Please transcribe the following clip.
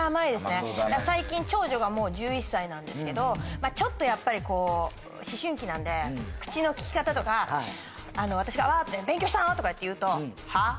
最近長女がもう１１歳なんですけどちょっとやっぱりこう私がわーって「勉強したの？」とかって言うと「はぁ？」